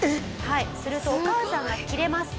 するとお母さんがキレます。